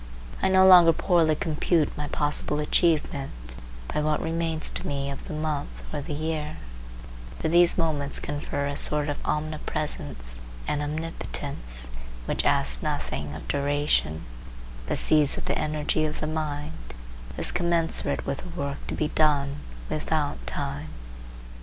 I no longer poorly compute my possible achievement by what remains to me of the month or the year; for these moments confer a sort of omnipresence and omnipotence which asks nothing of duration, but sees that the energy of the mind is commensurate with the work to be done, without time.